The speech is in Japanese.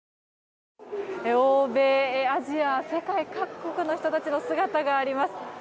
欧米、アジア世界各国の人たちの姿があります。